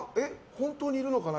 本当にいるのかな？